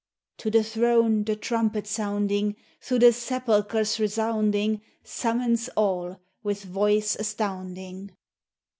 To the throne, the trumpet sounding, Through the sepulchres resounding, Summons all, with voice astounding.